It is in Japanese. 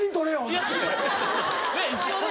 いやねぇ一応ね。